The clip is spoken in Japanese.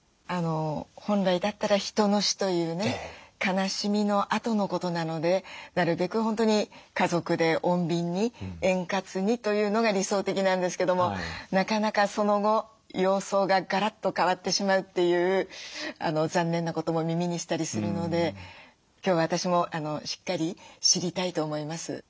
本来だったら人の死というね悲しみのあとのことなのでなるべく本当に家族で穏便に円滑にというのが理想的なんですけどもなかなかその後様相がガラッと変わってしまうという残念なことも耳にしたりするので今日は私もしっかり知りたいと思います。